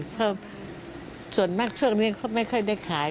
เพราะส่วนมากช่วงนี้เขาไม่ค่อยได้ขาย